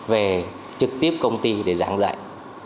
về trực tiếp công ty để giảng dạy